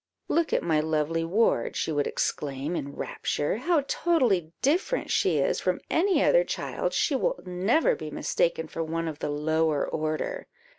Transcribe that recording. "Look at my lovely ward," she would exclaim, in rapture; "how totally different she is from any other child! she will never be mistaken for one of the lower order!"